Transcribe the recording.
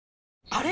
あれ？